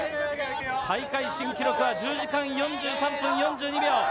大会新記録は１０時間４３分４２秒。